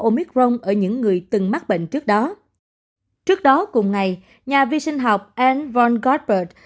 omicron ở những người từng mắc bệnh trước đó trước đó cùng ngày nhà vi sinh học an von godert